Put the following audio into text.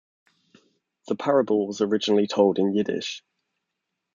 The parable was originally told in Yiddish.